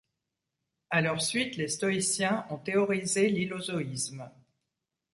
À leur suite, les stoïciens ont théorisé l'hylozoïsme.